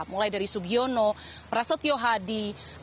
mulai dari sugiono prasetyo hadi